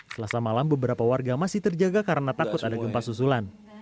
selasa malam beberapa warga masih terjaga karena takut ada gempa susulan